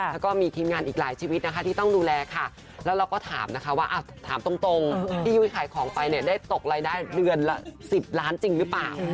แล้วก็มีทีมงานอีกหลายชีวิตนะคะที่ต้องดูแลค่ะแล้วเราก็ถามนะคะว่าถามตรงที่ยุ้ยขายของไปเนี่ยได้ตกรายได้เดือนละ๑๐ล้านจริงหรือเปล่า